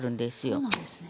あっそうなんですね。